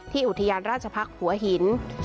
อุทยานราชพักษ์หัวหิน